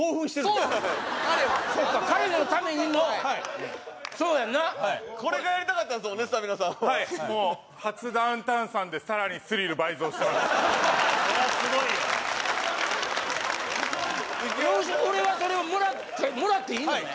すたみなさんははいもう初ダウンタウンさんでさらに・そりゃすごいよ俺はそれをもらっていいのね？